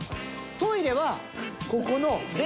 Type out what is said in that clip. トイレはここのこっち